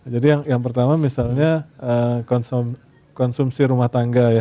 jadi yang pertama misalnya konsumsi rumah tangga ya